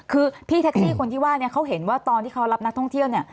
คือพี่แท็กซี่คนที่ว่าเนี่ยเขาเห็นว่าตอนที่เขารับนักท่องเที่ยวเนี่ย